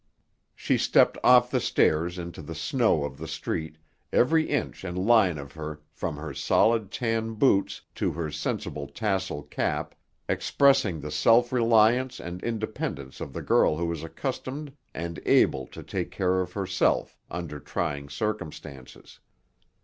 She stepped off the stairs into the snow of the street, every inch and line of her, from her solid tan boots to her sensible tassel cap, expressing the self reliance and independence of the girl who is accustomed and able to take care of herself under trying circumstances.